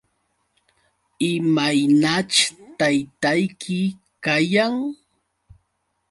¿Imaynaćh taytayki kayan?